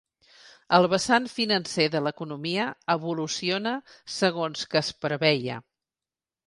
El vessant financer de l’economia evoluciona segons que es preveia.